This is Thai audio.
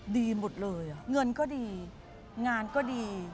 ดีหมดเลยเงินก็ดีงานก็ดี